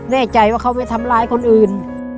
แน่ใจว่าเขาไปทำร้ายคนอื่น